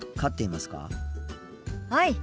はい。